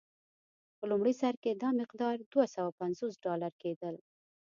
په لومړي سر کې دا مقدار دوه سوه پنځوس ډالر کېدل.